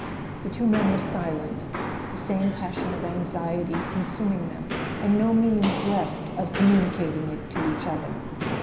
The two men were silent, the same passion of anxiety consuming them, and no means left of communicating it to each other.